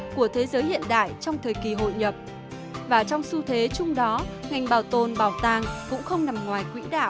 của thế giới